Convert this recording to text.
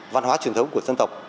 văn hóa truyền thống của dân tộc